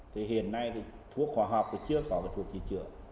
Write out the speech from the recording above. thì hiện nay thuốc khoa học chưa có thuốc trị trựa